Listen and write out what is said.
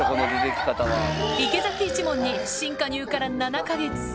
池崎一門に新加入から７か月。